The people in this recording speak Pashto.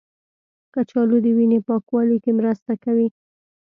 کچالو د وینې پاکوالي کې مرسته کوي.